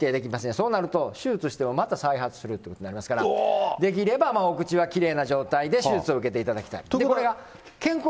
そうなると手術してもまた再発するということになりますから、できればお口はきれいな状態で手術を受けていただきたい。